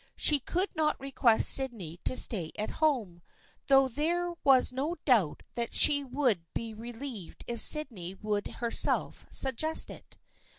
She could not request Sydney to stay at home, though there was no doubt that she would be re lieved if Sydney would herself suggest it.